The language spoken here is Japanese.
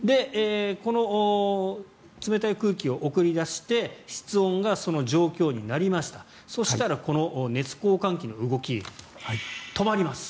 この冷たい空気を送り出して室温がその状況になりましたそしたらこの熱交換器の動き止まります。